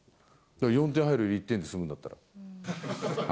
４点入るのが１点で済むんだったら。